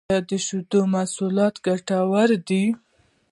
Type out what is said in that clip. ایا د شیدو محصولات ګټور وی؟